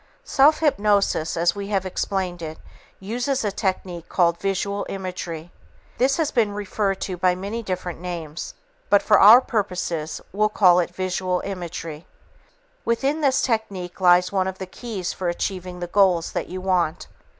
Self hypnosis, as we have explained it, uses a technique called visual imagery. This has been referred to by many different names, but for our purposes we'll call it visual imagery. Within this technique lies one of the keys for achieving the goals that you want.